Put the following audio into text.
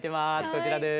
こちらです。